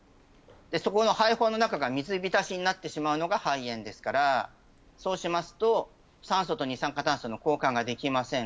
そこの肺胞の中が水浸しになってしまうのが肺炎ですからそうすると酸素と二酸化炭素の交換ができません。